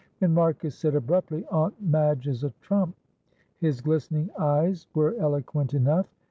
When Marcus said, abruptly, "Aunt Madge is a trump," his glistening eyes were eloquent enough.